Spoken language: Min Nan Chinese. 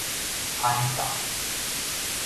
海掃